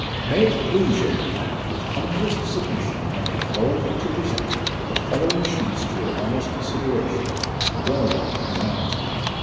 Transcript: May it please your Honour With humblest submission I make bold to present the following sheets to your Honour's consideration and well known humanity.